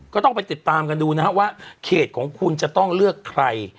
ก็ต้องไปติดตามกันดูนะครับว่าเขตของคุณจะต้องเลือกใคร